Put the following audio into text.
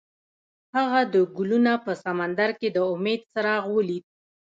هغه د ګلونه په سمندر کې د امید څراغ ولید.